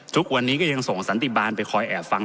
ทุกวันนี้ก็ยังส่งสันติบาลไปคอยแอบฟัง